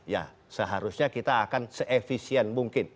ya seharusnya kita akan se efisien mungkin